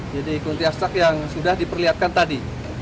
jadi kunci astak yang sudah diperlihatkan tadi